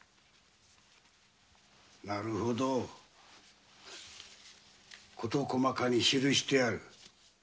なるほどこと細かに記してあるな。